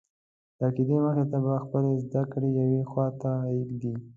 د عقیدې مخې ته به خپلې زده کړې یوې خواته ږدې.